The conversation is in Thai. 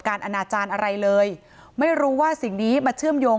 อนาจารย์อะไรเลยไม่รู้ว่าสิ่งนี้มาเชื่อมโยง